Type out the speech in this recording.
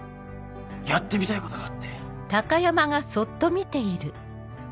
やってみたいことがあって。